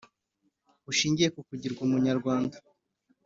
Bushingiye ku kugirwa umunyarwanda